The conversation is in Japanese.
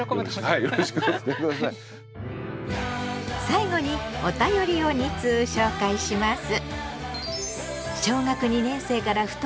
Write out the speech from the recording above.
最後にお便りを２通紹介します。